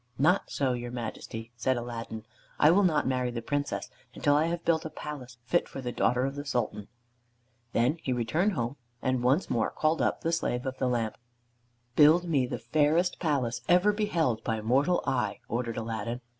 "Not so, your Majesty," said Aladdin; "I will not marry the Princess until I have built a palace fit for the daughter of the Sultan." Then he returned home, and once more called up the Slave of the Lamp. "Build me the fairest palace ever beheld by mortal eye," ordered Aladdin.